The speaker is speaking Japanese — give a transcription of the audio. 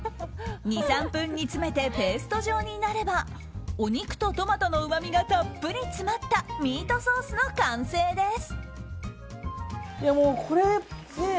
２３分煮詰めてペースト状になればお肉とトマトのうまみがたっぷり詰まったミートソースの完成です。